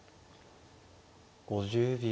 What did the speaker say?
５０秒。